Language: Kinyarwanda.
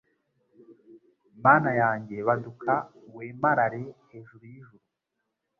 Mana yanjye baduka wemarare hejuru y’ijuru